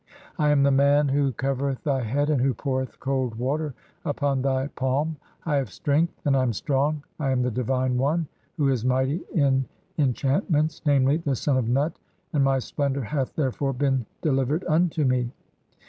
I am the Man "who covereth thy head and who poureth cold water upon thy "palm, I have strength and (11) I am strong, I am the divine "one who is mighty in enchantments, namely, the son of Nut, "and my splendour hath, therefore, been delivered unto me.